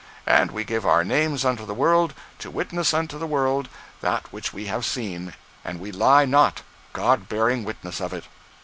And we give our names unto the world, to witness unto the world that which we have seen; and we lie not, God bearing witness of it.